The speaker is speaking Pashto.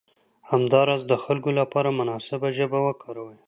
همداراز د خلکو لپاره مناسبه ژبه وکاروئ.